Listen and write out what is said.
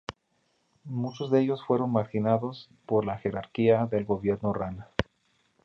Muchos de ellos fueron marginados por la jerarquía del gobierno Rana.